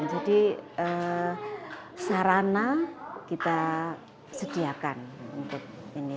jadi sarana kita sediakan untuk ini